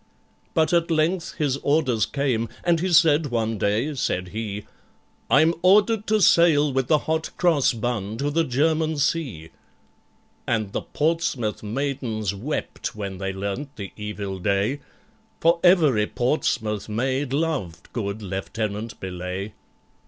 But at length his orders came, and he said one day, said he, "I'm ordered to sail with the Hot Cross Bun to the German Sea." And the Portsmouth maidens wept when they learnt the evil day, For every Portsmouth maid loved good LIEUTENANT BELAYE.